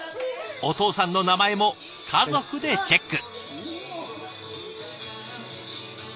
お父さんの名前も家族でチェック。